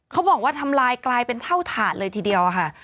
เขาบอกว่าทำลายกลายเป็นเท่าถาดเลยทีเดียวค่ะ